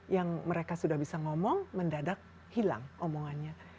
yang mereka sudah bisa ngomong mendadak hilang omongannya